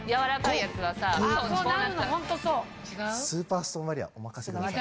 スーパーストーンバリアお任せください。